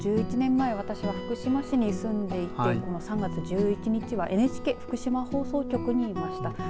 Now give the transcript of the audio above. １１年前私は福島市に住んでいてこの３月１１日はＮＨＫ福島放送局にいました。